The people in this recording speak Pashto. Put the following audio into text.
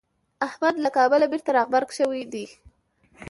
احمد له کابله بېرته راغبرګ شوی دی.